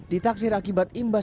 ditaksir akibat penyelenggaraan